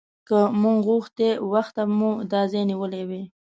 که موږ غوښتی وخته به مو دا ځای نیولی و.